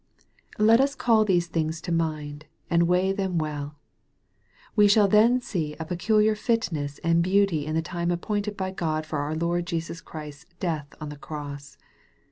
Let us call these things to mind, and weigh them well. We shall then see a peculiar fitness and beauty in the time appointed by Grod for our Lord Jesus Christ's death on the cross.